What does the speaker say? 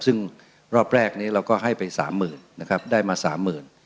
ซึ่งรอบแรกนี้เราก็ให้ไปสามหมื่นนะครับได้มาสามหมื่น